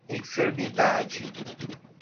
enfermidade